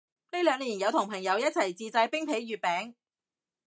呢兩年有同朋友一齊自製冰皮月餅